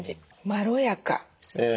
まろやか。